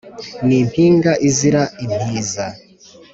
ni impinga izira impiza